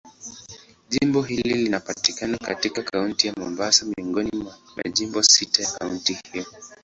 Jimbo hili linapatikana katika Kaunti ya Mombasa, miongoni mwa majimbo sita ya kaunti hiyo.